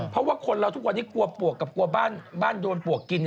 เพราะว่าคนเราทุกวันนี้กลัวปวกกับกลัวบ้านโดนปลวกกิน